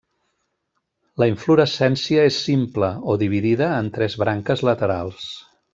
La inflorescència és simple o dividida en tres branques laterals.